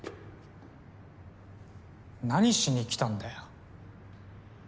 何しにきたんだよ。